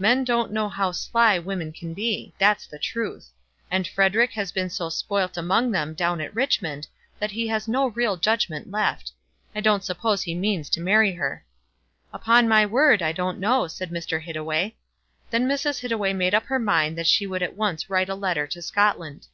Men don't know how sly women can be; that's the truth. And Frederic has been so spoilt among them down at Richmond, that he has no real judgment left. I don't suppose he means to marry her." "Upon my word I don't know," said Mr. Hittaway. Then Mrs. Hittaway made up her mind that she would at once write a letter to Scotland.